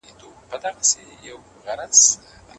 پاس په غېږ کي د اسمان لکه زمری وو